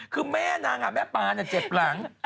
คือแม่นางแม่ปานเจ็บหลัง